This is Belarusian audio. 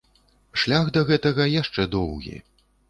Шлях да гэтага яшчэ доўгі.